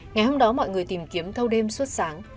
ngày hôm đó mọi người tìm kiếm thâu đêm suốt sáng